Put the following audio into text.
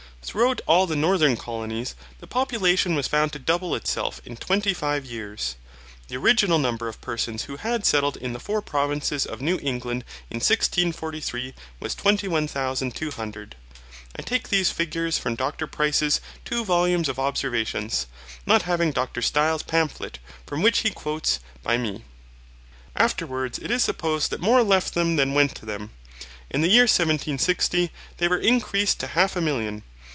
Throughout all the northern colonies, the population was found to double itself in twenty five years. The original number of persons who had settled in the four provinces of new England in 1643 was 21,200.(I take these figures from Dr Price's two volumes of Observations; not having Dr Styles' pamphlet, from which he quotes, by me.) Afterwards, it is supposed that more left them than went to them. In the year 1760, they were increased to half a million.